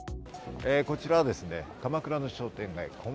こちらは鎌倉の商店街・小町